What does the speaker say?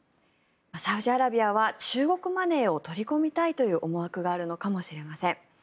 サウジアラビアは中国マネーを取り込みたいという思惑があるのかもしれません。